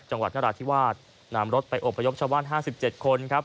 จังหวัดนราธิวาสนำรถไปอบพยพชาวบ้าน๕๗คนครับ